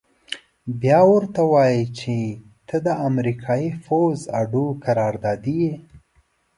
بيا ورته وايي چې ته د امريکايي پوځي اډو قراردادي يې.